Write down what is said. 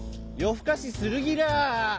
ふかしするギラ。